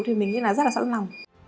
thì mình nghĩ là rất là tốt